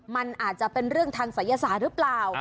มันอาจจะเป็นเรื่องทางศัยศาสตร์หรือเปล่า